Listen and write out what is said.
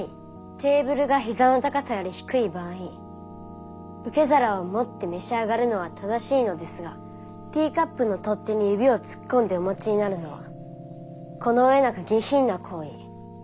テーブルがヒザの高さより低い場合受け皿を持って召し上がるのは正しいのですがティーカップの取っ手に指を突っ込んでお持ちになるのはこの上なく下品な行為。